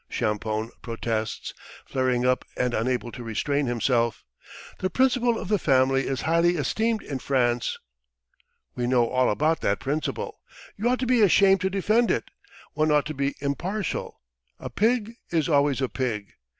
Champoun protests, flaring up and unable to restrain himself. "The principle of the family is highly esteemed in France." "We know all about that principle! You ought to be ashamed to defend it: one ought to be impartial: a pig is always a pig.